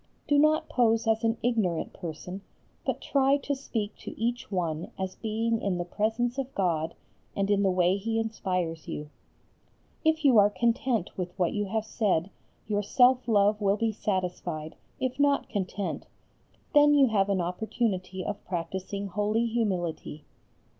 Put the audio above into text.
Do not pose as an ignorant person, but try to speak to each one as being in the presence of God and in the way He inspires you. If you are content with what you have said your self love will be satisfied, if not content, then you have an opportunity of practising holy humility.